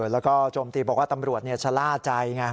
แล้วก็โจมตีบอกว่าตำรวจชะล่าใจไง